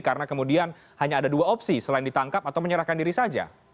karena kemudian hanya ada dua opsi selain ditangkap atau menyerahkan diri saja